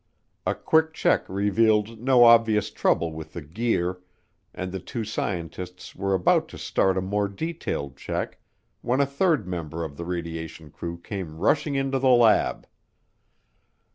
A quick check revealed no obvious trouble with the gear, and the two scientists were about to start a more detailed check when a third member of the radiation crew came rushing into the lab.